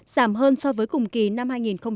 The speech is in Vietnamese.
giảm hơn so với cùng kỳ năm hai nghìn một mươi tám